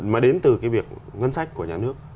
mà đến từ cái việc ngân sách của nhà nước